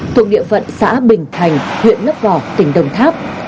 thuộc địa phận xã bình thành huyện lấp vò tỉnh đồng tháp